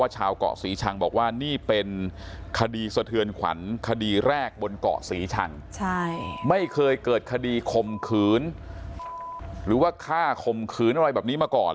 ใช่ไม่เคยเกิดคดีคมขืนหรือว่าฆ่าคมขืนอะไรแบบนี้มาก่อน